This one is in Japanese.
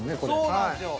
そうなんすよ。